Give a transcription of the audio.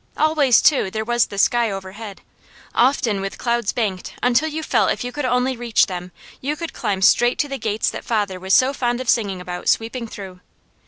Always too there was the sky overhead, often with clouds banked until you felt if you only could reach them, you could climb straight to the gates that father was so fond of singing about sweeping through.